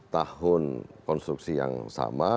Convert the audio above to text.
tahun konstruksi yang sama